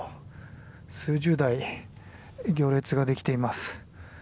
数十台、行列ができています。